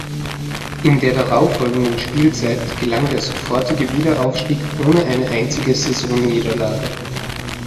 In der darauffolgenden Spielzeit gelang der sofortige Wiederaufstieg ohne eine einzige Saisonniederlage.